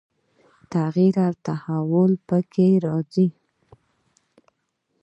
تغییر او تحول به په کې راځي.